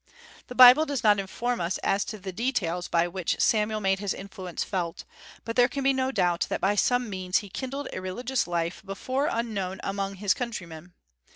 The Bible does not inform us as to the details by which Samuel made his influence felt, but there can be no doubt that by some means he kindled a religious life before unknown among his countrymen.